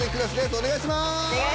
お願いします。